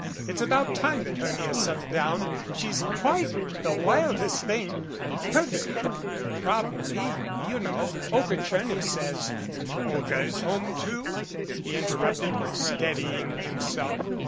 It's about time that Hermia settled down. She's quite the wildest thing perfectly properly, you know, Olga Tcherny says " "Olga is home, too?" he interrupted, steadying him self.